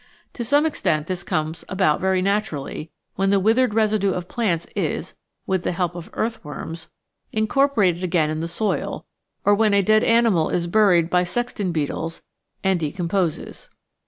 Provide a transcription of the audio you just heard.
To some extent this comes about very naturally when the withered residue of plants is, with the help of earthworms, incorporated 756 The Outline of Science again in the soil, or when a dead animal is buried by sexton beetles and decomposes.